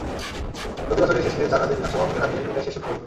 চলতি বছরের শেষে চার রাজ্যের বিধানসভা ভোটের আগে এটাই শেষ শক্তি পরীক্ষা।